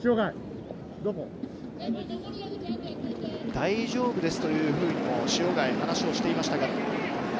「大丈夫です」というふうに塩貝、話をしていましたが。